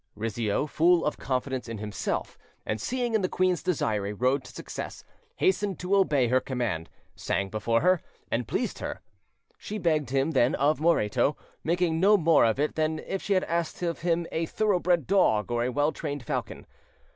Rizzio, full of confidence in himself, and seeing in the queen's desire a road to success, hastened to obey her command, sang before her, and pleased her. She begged him then of Moreto, making no more of it than if she had asked of him a thoroughbred dog or a well trained falcon.